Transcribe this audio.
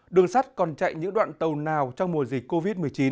đường sắt còn chạy những đoạn tàu nào trong mùa dịch covid một mươi chín